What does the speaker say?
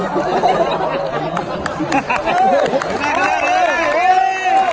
แป๊กแป๊กแป๊ก